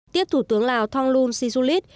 tiếp thủ tướng lào thonglun sinsulit